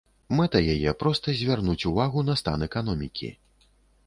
Мэта яе проста звярнуць увагу на стан эканомікі.